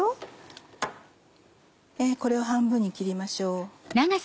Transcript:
これを半分に切りましょう。